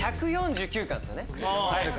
１４９巻ですよね。